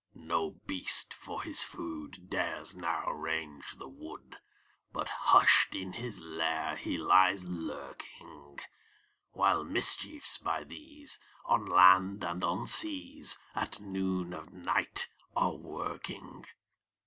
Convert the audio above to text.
No beast, for his food, Dares now range the wood, But hush'd in his lair he lies lurking; While mischiefs, by these, On land and on seas, At noon of night are a working.